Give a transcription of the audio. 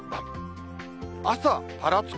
朝ぱらつく。